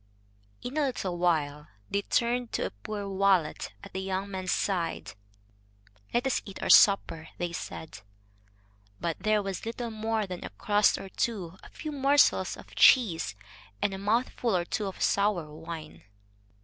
In a little while they turned to a poor wallet at the young man's side. "Let us eat our supper," they said. But there was little more than a crust or two, a few morsels of cheese, and a mouthful or two of sour wine.